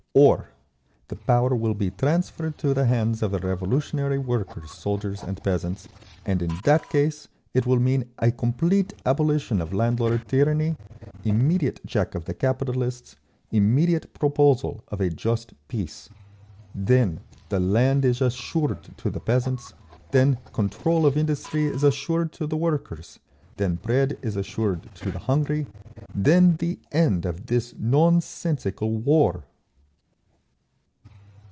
Or—the power will be transferred to the hands of the revolutionary workers, soldiers and peasants; and in that case it will mean a complete abolition of landlord tyranny, immediate check of the capitalists, immediate proposal of a just peace. Then the land is assured to the peasants, then control of industry is assured to the workers, then bread is assured to the hungry, then the end of this nonsensical war!